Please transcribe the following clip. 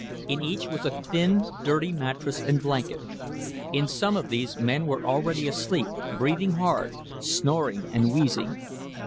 In each was a thin, dirty mattress and blanket. In some of these men were already asleep, breathing hard, snoring and wheezing.